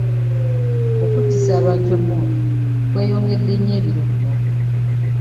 Okuttisa abantu emmundu kweyongedde nnyo ebiro bino.